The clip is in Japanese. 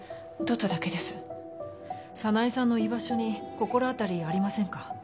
早苗さんの居場所に心当たりありませんか？